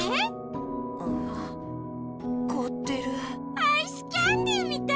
アイスキャンデーみたい！